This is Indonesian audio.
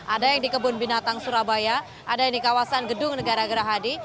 ada yang di kebun binatang surabaya ada yang di kawasan gedung negara gerahadi